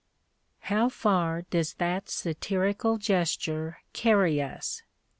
" How far does that satirical gesture carry us?